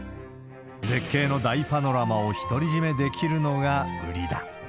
絶景の大パノラマを独り占めできるのが売りだ。